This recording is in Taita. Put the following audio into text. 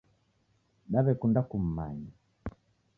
Dawekunda kummanya